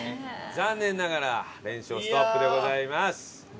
残念ながら連勝ストップでございます。